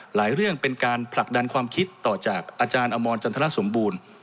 หลายเรื่องเป็นการผลักดันความคิดต่อจากออำวจันทรรศมบูรณ์